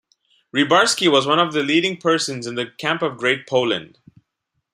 Rybarski was one of the leading persons in the Camp of Great Poland.